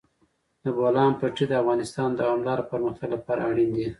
د بولان پټي د افغانستان د دوامداره پرمختګ لپاره اړین دي.